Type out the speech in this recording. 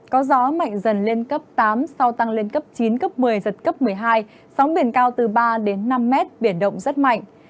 có gió mạnh dần lên cấp tám sau tăng lên cấp chín cấp một mươi giật cấp một mươi hai sóng biển cao từ ba đến năm mét biển động rất mạnh